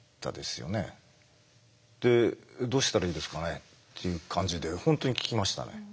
「でどうしたらいいですかね？」っていう感じで本当に聞きましたね。